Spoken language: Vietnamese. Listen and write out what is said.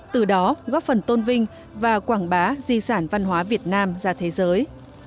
từ đó góp phần tôn vinh và quảng bá di sản văn hóa việt nam ra thế giới